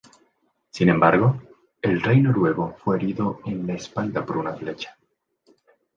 Sin embargo, el rey noruego fue herido en la espalda por una flecha.